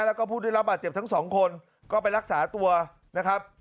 แล้วก็ผู้ได้รับบาดเจ็บทั้งสองคนก็ไปรักษาตัวนะครับ